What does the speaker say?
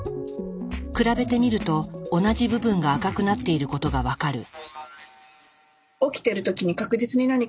比べてみると同じ部分が赤くなっていることが分かる。